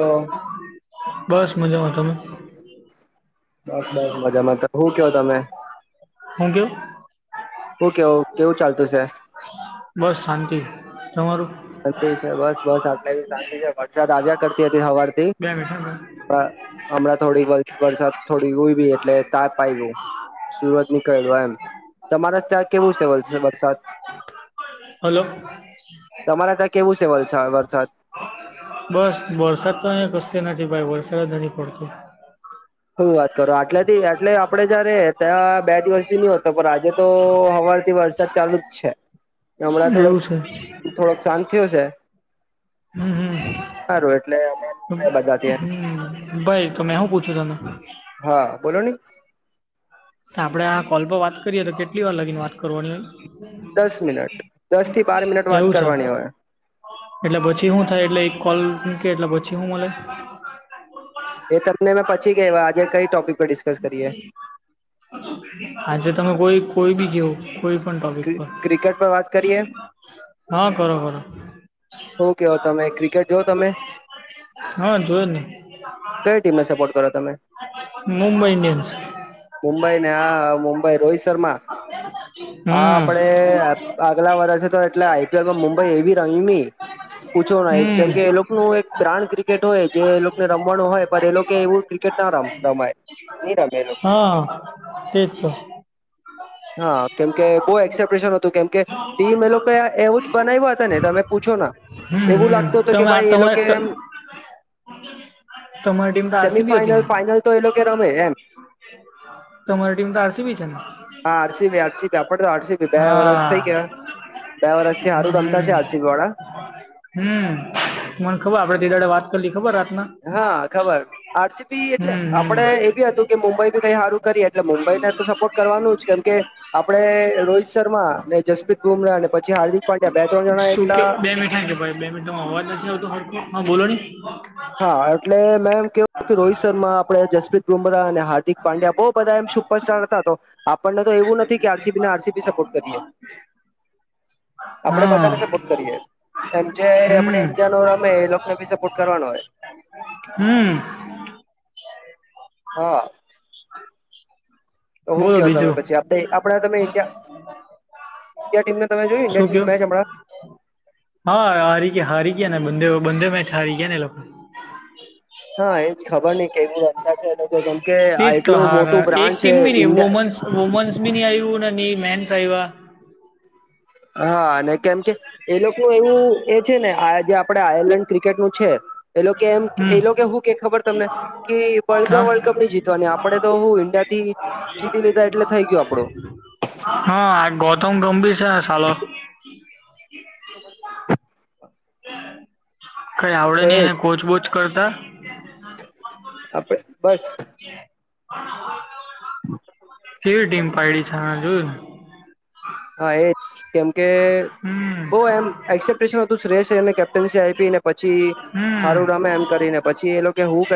તો બસ મજામાં તમે બસ બસ મજામાં તો હું ક્યો તમે હું કેવ હું કેવો કેવું ચાલતું છે બસ શાંતિ તમારું સંતી છે બસ બસ આટલા એ શાંતિ છે વરસાદ આવ્યા કરતી હવારથી બે મિનિટ હા હમણાં થોડીક વાર વરસાદ થોડી ઉઈ બી એટલે તાપ આઇવો સુરજ નીકળડ્યું એમ તમારે ત્યાં કેવું છે વ-વરસાદ હલો કેવું છે વલસાડ વરસાદ બસ વરસાદ તો અહીં કસ નથી ભાઈ વર્ષદ ની પડતો હું વાત કરો આટલે થી આટલે આપડે જયારે ત્યાં બે દિવસ હમણાં એવું છે થોડોક-થોડોક શાંત થયો છે હમ સારું એટલે અ [unintelligible] ઘણા હમ એ બધા [inaudible] હમ ભાઈ તો મેં હુ પૂછ્યું તને હા બોલો નને આપડા કોલ પર વાત કરીએ તો કેટલી વાર લગીને વાત કરવાની દસ મિનટ દસ થી બાર મિનટ [inaudible] વાત એવું છે કરવાની હોય એટલે પછી હું થાય એટલે એક કોલ મૂકે એટલે પછી હું મલે? એ તમને મે પછી કેવા આજે કઈ ટોપિક પર ડિસ્કસ કરીએ? આજે તમે કોઈ કોઈ ભી. જેવું કોઈ પણ ટોપિક ક્રિ પર ક્રિકેટ પર વાત કરીએ હા કરો કરો. શું કેવો તમે ક્રિકેટ જોઓ તમે? હા જોયો જ ને કઈ ટીમને સપોર્ટ કરો તમે? મુંબઈ ઇન્ડિયન્સ મુંબઈને આ મુંબઈ, રોહિત શર્મા. હા હમ આપડે આગલા વર્ષે તો એટલે આઈપીએલમાં મુંબઈ એવી રમમિ. પૂછો નઈ હમ કેમ કે એ લોકનું એક પ્રાણ ક્રિકેટ હોય કે એ લોકને રમવાનું હોય પણ એ લોકો એવું ક્રિકેટ રામ રમાય [unintelligible] એ લોકો હા તેજ તો. [inaudible] હા કેમકે બહ એક્સેપ્રેશન હતું કેમકે ટી મે એ લોકો એવું જ બનાવ્યા હતા ને તમે પૂછો ના. હમ એવું હમ લાગતું હતો કે તમે આ ભાઈ એ તમારે લોકે ત- એમ. તમારી ટીમ તો આરસીબી હતી ને સેમીફાઈનલ ફાાઈનલ તો એ લોકો રમે એમ. તમારી ટીમ તો આસી બી. હા આરસી આરસી આપડે તો આરસી બે વરષ હા થઈ ગયા. બે વરષથી હારૂ રમતા હમ છે, આરસીબીવાળા હમ, મન ખબર આપડે તે દાડે વાત કરીલી ખબર રાતના હા ખબર આરસીપી એટલે હમ હમ આપડે એ બી હતું કે મુંબઈ ભી કઈ હારું કરીએ એટલે મુંબઈ. તો સપોર્ટ કરવા. નું જ કેમ આપડે રોહિત શર્મા ને જસપ્રીત બુમરાહ અને પછી હાર્દિક પંડ્યા બે-ત્રણ જણાએ શું કેવો બે મિન કે ભાઈ બે મિનટોમાં અવાજ નથી આવતો ખર હ બોલોની. હા એટલે મેમ કેવું કે રોહિત શર્મા આપડે જસપ્રીત બુમરાહ અને હાર્દિક પાંડ્યા બો બધા એમ સુપરસ્ટાર હતા, તો આપડને તો એવું નથી કે આરસીપીના આરસીપી સપોર્ટ કરીએ. આપડે હા બધાને સપોર્ટ કરીએ. એમ જે હમ આપડે ઇન્ડિયા નો રમે એ લોકોકને બી સપોર્ટ કરવાનો હોય. હમ્મ. હા. [inaudible] તો હું બોલો કેવ તમે બીજું પછી આપણા તમે ઇન્ડિયા. ઈન્ડિયા ટીમને તમે જોયું શું ટીમનું કયો? મેચ હમણાં? હા, હારી ગયા, હારી ગયાને. બનદેવ બંદે મેચ હારી ગયા ને એ લોકો. હઅ, એજ ખબર નઈ કેવું રમતા છે એ લોકો કેમ કે, આ તેજ તો એટલું હાર મોટું એક બ્રાન્ચ ટીમ બી ની વુમન્સ, વુમન્સ બી ની આયવું ને ની મેન્સ આયવા. હા અને કેમ કે એ લોકો ન એવું એ છે ને આ જે આપડે આયર્લેન્ડ ક્રિકે કેટ નું છે. એ લોકો એમ હમ એ લોકો કે હું કે ખબર તમને કે, વર્લ્ડ હા કપ વર્લ્ડ કપ નઈ જીતવાની, આપડે તો હું ઇન્ડિયા હા આ ગૌતમ ગંભીર છે. હાલો. [inaudible] કઈ આવડે તો નહી એજ અને કોચબોચ કરતા. આપડે બસ [unintelligible] ફર ટીમ પાડીડી છે જોુ ને હા એજ કેમ કે હમ બહ એમ એક્સેપ્ટેશન હતું શ્રેય કેપ્ટનસી આવીી ને પછી હમ સારું રામે એમ કરીને પછી એ લોકો કે એજ હું ક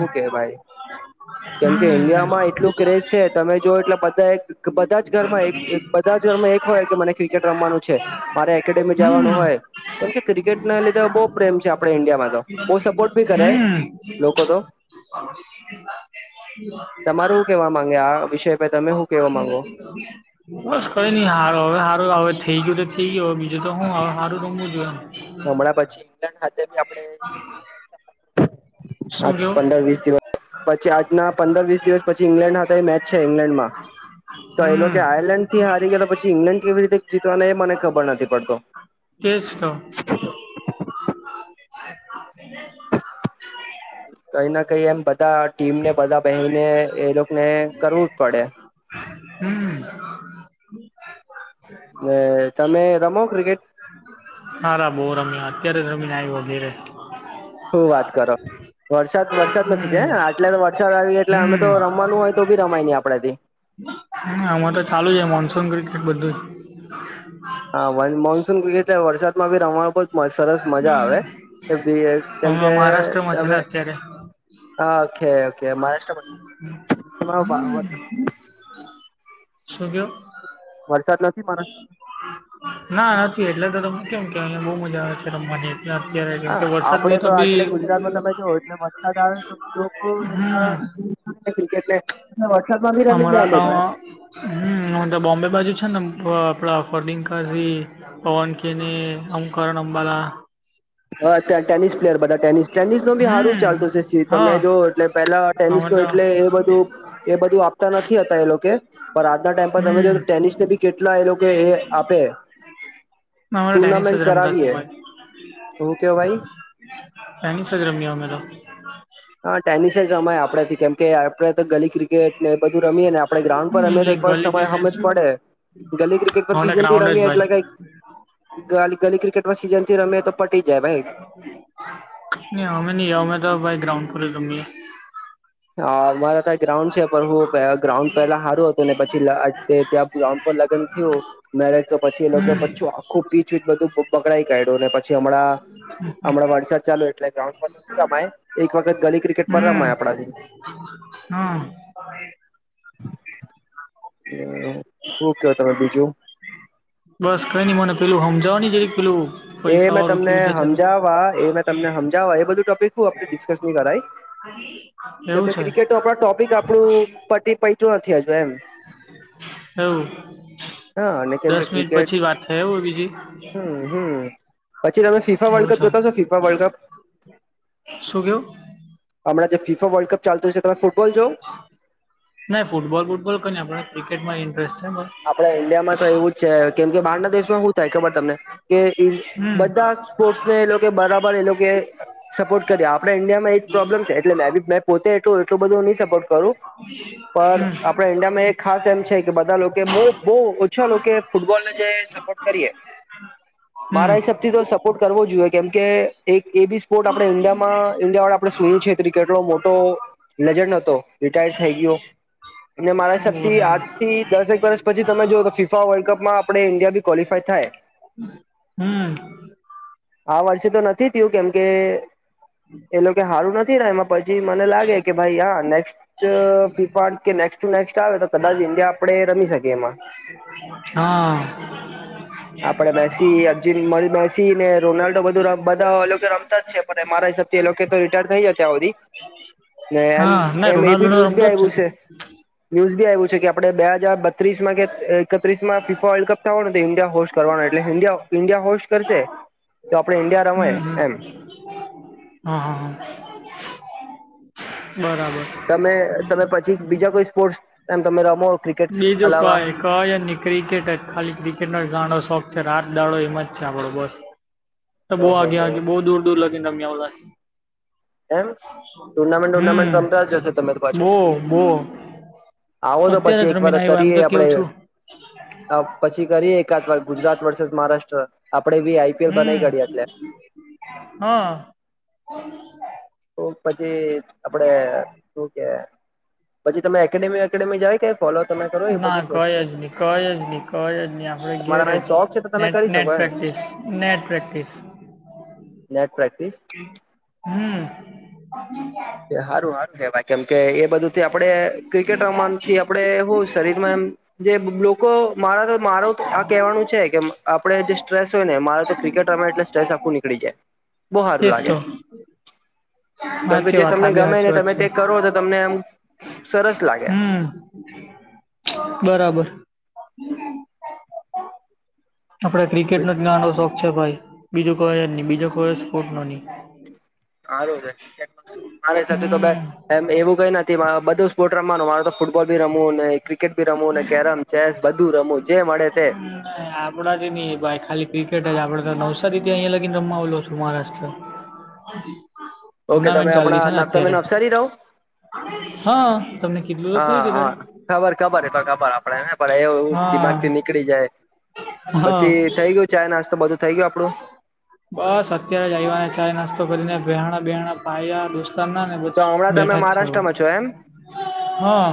હું કે ભાઈ તો કેમ કે હમ ઇન્ડિયામાં એટલું ક્રેઝ છે તમે જો એટલે બધા બધા જ ઘર માં એક હોય કે મને ક્રિકેટ રમવાનું છે મારે એકેડેમી જવાનું હમ હોય કેમ કે ક્રિકેટ ના લીધે બહુ પ્રેમ છે આપણે ઇન્ડિયામાં બહુ સપોર્ટ બી કરે લોકો તો [unintelligible] તમારું કેવા માંગે આ વિષય પર તમે શું કેવા માંગો [unintelligible] કઈ નહીંાર હવે હારું હવે થઈ ગયું તો થઈ ગયું હવે બીજું તો હું હવે સારું રમવું જોઈ એમ હમણાં પછી ઈંગ્લેન્ડ ખાતે બી આપે ઇન્ડિયા મે હા શું કેવું પંદર વીસ દિવસ પછી આજના પંદર વીસ દિવસ પછી ઈંગ્લેન્ડ હતા એ મેચ છે ઈંગ્લેન્ડમાં તો એલે હમ કે આયર્લેન્ડ થી હારી ગયા તો પછી ઈંગ્લેન્ડ કેવી રીતે જીતવાના એ મને ખબર નથી પડતો કે [unintelligible] કઈ ના કઈ એમ બ બધા ટીમને બધા બનીને એ લોકોને કરવું જ પડે હમ તમે રમો ક્રિકેટ હાાર બહુ રમી્યા અત્યારે રમીને આવ વગેરે હું વાત કરો વરસાદ વરસાદ નથી છે હમ આટલે વરસાદ આવી એટલે અમે તો હમ રમવાનું હોય તો બી રમાય આપણાથી હ આમાં તો ચાલુ છે મોનસૂન ક્રિકેટ બધું હા મોનસૂન એટલે વરસાદમાં ભી ર સરસ મજા આવેી કેમકે હમણાં મહારાષ્ટ્રમાં છે ને તમે અત્યારે હા ઓકે ઓકે મહારાષ્ટ્ર વર શું કેયા વરસાદ લ નથી મહારાષ્ટ્રમાં ના નથી એટલે તો તમ કેમ કે અહીયા બહુ મજા આવે છે રમવાની એટલે અત્યારે કેમ હા કે વરસાદ આપડે ગયો તો બી આટલે ગુજરાતમાં તમે જ એટલે વરસાદ આવે તો બી લોકો એટલા હમ ક્રિકેટલે અમારા હમ તો બોમ્બે બાજુ છે ને આપડા ફર્લકાજી પવન કે ને અમકરણ અંબાલા હ ટેનિસ પ્લેયર બધા ટેનિસ ટેનિસ નો બી સારું હમ ચાલતું છે સ તમે હા જો એટલે પેલા ટેનિસ અમે નો તો એટલે એ બધું એ બધું આપતા નથી હતા એ લોકો પણ આજના ટાઈમ પર તમે હમ જો તો ટેનિસ ને બી કેટલા લોકો એ આપે અમે તો ટેનિસ ટુર્નામેન્ટ કરાવીએ તો હું કે ભાઈ હની સજરમ્યા મેરા હા ટેનિસ જ રમાય આપડે થી કેમ કે આપડે તો ગલી ક્રિકેટ એ બધું રમીએને આપડણે ગ્રાઉન્ડ પર રમે હમ વાર ગલી ક્રિકેટ સમજ પડે ગલી ક્રિકેટ પર અમારે સીઝનથી ગ્રાઉન્ડ જ રમીએ એટલે ભાઈ કઈ ગલી ક્રિકેટમાં સીઝન થી રમે તો પટી જાય ભાઈ ન અમે નહી અમે તો ભાઈ ગ્રાઉન્ડ પર જઈ રમીએ. હા મારા ત્યાં ગ્રાઉન્ડ છે પણ હું ગ્રાઉન્ડ પેલા સારું હતું ને પછી ત્યાં ગ્રાઉન્ડ પર મેરેજ તો પછી એ પીચ હમ આખું પીચ વીચ બધું બગાડી કાઢ્યું. પછી હમણાં હમણાં વરસા ચાલુ એટલે ગ્રાઉન્ડ પર ન રમાય એક વખત ગલી ક્રિકેટ પર રમાય આપણાથી હમ. શું કયો તમે બીજું? બસ કઈ નઈ મને પેલું સમજાવોને જ પેલું એ પૈસા મેં વાળું તમને કેવી રીતે છે તે સમજાવવા એ તમને સમજાવ એ બધું ટોપિક શું આપડે ડિસ્કસ નહી કરાય. એવું તમે છે ક્રિકેટ આપ ટોપિક આપણું પત્યું નથી હજુ એમ. એવું હા અને કેમ દસ કે મિનિટ ક્રિકેટ પછી વાત થાય એવું બીજી હમ હમ પછી તમે ફીફા વર્લ્ડ એવું છે કપ જોતાવશો ફીફા વર્લ્ડ કપ? શું કેવું? હમણાં જે ફીફા વલ્ડ કપ ચાલતું છે તે. ના ફૂટબોલ વુટબોલ કઈ નહીં આપડને ક્રિકેટ માં ઇન્ટરેસ્ટ. છે બસ. આપણા ઈન્ડિયામાં તો એવું જ છે કેમ કે બહારના દેશમાં શું થાય ખબર તમને? કે હમ બધા સ્પોર્ટ્સને એ લોકો બરાબર એ લોકો સપોર્ટ કર્યા આપણે આપણે ઇન્ડિયા માં પ્રોબલેમ છે એટલે મેં ભી પોતે એટું એટલું બધું નહી સપોર્ટ કરું. પણ હમ આપડા ઇન્ડિયામાં એક ખાસ એમ છે કે બધા લોકો કે બહુ બહુ ઓછા લોકો ફૂટબોલને જે સપોર્ટ કરીએ. હમ મારા હિસાબથી તો સપોર્ટ કરવો જોઈએ કેમ કે એક એક- બે ભી સ્પોર્ટ આપણે ઇન્ડિયામાં ઇન્ડિયા વાળા. આપ સુન્યું છે કેટલો મોટો લેજેન્ડ હતો રિટાયર થઈ ગયો. અને મારા હિસાબ બોલ. થી આજ થી દસ. વર્ષ પછી તમે જો તો ફીફા વર્લ્ડ કપ માં આપણે ઇન્ડિયા બી ક્વોલિફાય થાય. હમ આ વર્ષે તો નથી થયું કેમ કે કે એ લોકો હારું નથી એમાં મને લાગે કે ભાઈ હા નેક્સ ટુ નેક્સ્ટ આવે તો કદાચ ઇન્ડિયા આપણે રમી. એમાં હા. આપડે મેસી અર્જુન મળી મેસી ને રોનાલ્ડો બધું બધા અલગ રમતા જ છે પણ મારા હિસાબથી લોકો તો રિટાયર થઈ ગયા અત્યાર સુધી ને એમ હા ના એમ એ બી રોનાલ્ડો ન્યુઝ બી રમતો જ આવ્યું ને છે ન્યુઝ બી આવ્યું છે કે આપડે બે હજાર ત્રીસ માં કે એકત્રીસ માં ફીફા વર્લ્ડ કપ થવાનું તો ઇન્ડિયા હોસ્ટ કરવાનો એટલે ઇન્ડિયા હોસ્ટ કરશે. તો આપણે ઈન્ડિયા રમાય હમ હમ એમ. હા હા હા. હ. તમે તમે પછી બીજા કોઈ સ્પોર્ટ્સ એમ તમે રમો? ક્રિકેટ બીજું અલાવા કંઇ કઈ જ નહીં ક્રિકેટ ખાલી ક્રિકેટ નો જ ઘણો શોખ. રાત દહાડો એમાં જ છે આપડો બસ તો બહુ ઓહો આગ્યા હો આગ બહુ દૂર દૂર લગી. રમ્યાઉ લય. એમ ટુર્નામેન્ટ હમ ટુર્નામેન્ટ રમતા જ હશો તમે તો પાછું બહુ બહુ. આવો તો પછી એક વાર કરીએ આપડે કેવું છું પછી કરી એકાદ વાર ગુજરાત વર્સેસ મહારાષ્ટ્ર. આપડે બી આઈપીએલ હમ બનાવી કાઢીએ એટલે હા. તો પછી આપડે શું કે? પછી તમે એકેડેમી વકેેડેમી જાઓ ક્યાંય? ના કઈ જ નહી કઈ જ નહી કઈ જ નહી આપડે ઘેર તમારા જ શોખ છે તો તમે નેટ કરી નેટ. શકો એમ practice net practice net practice હમ પ કે સારું સારું કેવા કેમ કે એ બધું થી આપણે ક્રિકેટ રમાથી આપણે હું શરીરમાં એમ જે લોકો મારા તો માર આ કહેવાનું છે કે આપણે જે સ્ટ્રેસ હોય ને મારે તો ક્રિકેટ રમે એટલે સ્ટ્રેસ આપખવું નીકળી બહારું લાગે કેમ કે અચછા જે તમને ગમે ને તમે તે કરો તો તમને એમ સરસ લાગે હમ બરાબર. આપડે ક્રિકેટ નો જ ગાંડો શોખ છે ભાઈ બીજું કોઈ નહી બીજો કોઈ સ્પોર્ટ નો નહી સારું છે મારે હમ સાથે એમ એવું કઈ ના થી બધું સ્પોર્ટ રમવાનું મારે તો ફટબોલી રમવું ને ક્રિકેટી રમું ને કેરમ ચેસ બધું રમવું જે મળે તે આપણા જ ન ભાઈ ખાલી ક્રી કેટ આપડે તો નવસારી થી અહીિયાયા લગીને રમાવલો છું મહારાષ્ટ્ર ઓકે તમે ટુર્નામેન્ટ ચાલતી છે ને આપણા તમે અત્યારે નવસારી રહો હા તમને કીધલું તો ખરી હા તે હા દાડે ખબર ખબર એ તો ખબર આપડેને પણ એવું હા દિમાગ થી નીકળી જાય હા પછી થઈ ગયું ચાય નાસ્તો બધું. થઈ ગયું આપડું બસ અત્યારે જ આવવાને ચાાય નાસ્તો કરીને વહેણ બેહણા પાયા દુ ના ને બસ તો હમણાં તમે બેઠા જ છે હવે મહારાષ્ટ્રમાં છો એમ હા.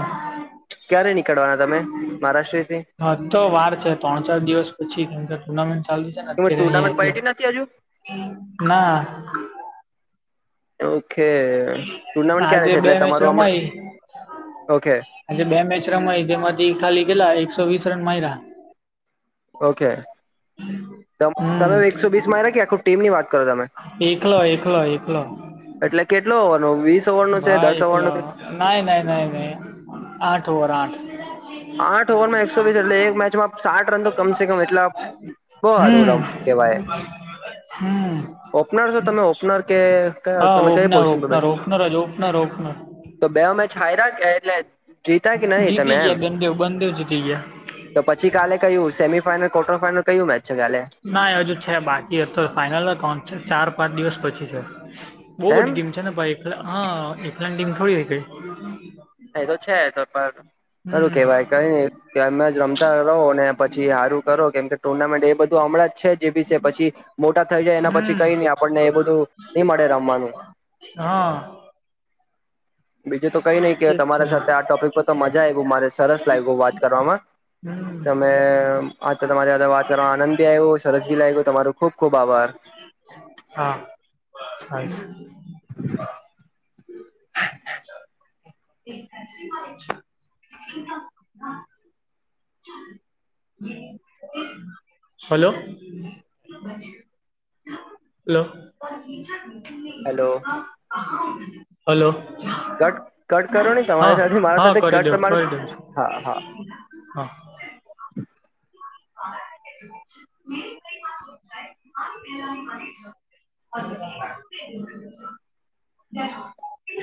ક્યારે નીકળવાના તમે મહારાષ્ટ્રથી હા તો વાર છે ત્રણ ચાર દિવસ પછી કક ટુર્મેન્ટ ચાલુ કે થઈ ગઈ અહીંયા ટુર્નામેન્ટ પયટી નથી હજુ એટલે ના ઓકે ટુર્નામેન્ટ ક્યારે આજે છે બે એટલે મેચ તમારું હમણાં રમાઈ ઓકે આજે બે મેચ રમાય જેમાંથી ખાલી ગેલા એકસો વીસ રન મારા ઓકે હમ તમે એકસો બીસ માં કે આખું ટીમ ની વાત કરો તમે એકલો એકલો એકલો. એટલે કેટલો ઓવરનો વીસ ઓવરનો છે ભાઈ દસ ઓવરનો એટલા છે ના નાઈ નહી નહી આઠ ઓવર આઠ આઠ ઓવરમાં એકસો વીસ એટલે એક હમ. મેચમાં સાઠ રન તો કમસે કમ એટલા [inaudible] બહુ સારું રમ કહેવાય [unintelligible] ઓપનર તો તમે ઓપનર કે હા તમે કઈ ઓપનર પોઝિશન પર. ઓપનર ઓપનર જ ઓપનર ઓપનર તો બેવ મેચ હાઇરા કે એટલે જીતા કે નહી તમે જીતી એમ ગયા બન દેવ બન દેવ જીતી ગયા. તો પછી કાલે કયું સેમીફાઈનલ ક્વાર્ટર ફાઈઇનલ કયું મેચ છે કાલે ના હજુ છે બાકી અ તો તો ફાઈનલ કોણ ચાર પાંચ દિવસ પછી છે બહુ બધી એમ ટીમ છે ને ભાઈ હ એટલાની ટીમ થોડી હોય કેઈ એ તો છે તો પણ સારું કેવાય કને અમે જ રમતા રહો પછી હારું કરો કેમ કે ટુર્નામેન્ટ એ બધું હમણાંજ છે જે બી છે પછી મોટા થઈ જાય એના પછી હમ કઈ નહી આપણને એ બધું નઈ મળે રમવાનું. હા. બીજું તો કઈ નઈ કે ઠીક છે તમારા સાથે આ ટોપિક પર તો મજા આવ મારે સરસ લાગ્યું વાત કરવામાં હમ તમે આ તમારી સાથે વાત કરવા આનંદ ભી આવ્યો સરસ ભી લાગ ગ્યું તમારું ખુબ ખુબ આભાર. હા હ છે. [inaudible] [inaudible] [unintelligible] Hello. Hello. Hello. Hello. Cut cut કરો નહી તમારી હા સાથેથી મારા હા સાથે કરી કટ દઉં તમારે કરી દઉં છું હા હા [inaudible] હા [inaudible] [inaudible]